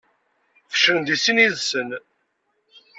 Feclen deg sin yid-sen.